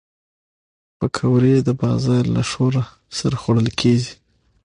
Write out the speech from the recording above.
پکورې د بازار له شور سره خوړل کېږي